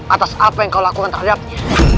atas apa yang kau lakukan terhadapnya